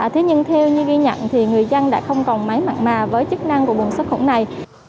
thế nhưng theo như ghi nhận thì người dân đã không còn máy mạng mà với chức năng của bùng sát quẩn này